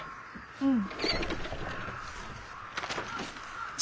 うん。